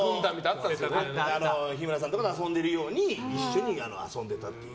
日村さんとかと遊んでるように一緒に遊んでたっていう。